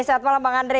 selamat malam bang andre